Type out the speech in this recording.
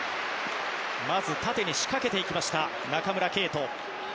まず縦に仕掛けていきました中村敬斗。